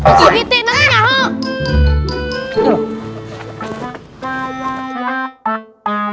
pak sri kiti nanti nyahok